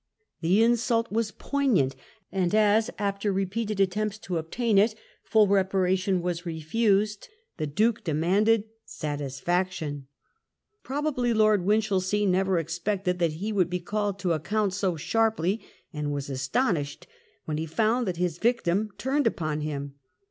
The insult was poig nant, and as, after repeated attempts to obtain it, full reparation was refused, the Duke demanded "satis faction." Probably Lord Winchelsea never expected that he would be called to account so sharply, and was astonished when he found that his victim turned upon him.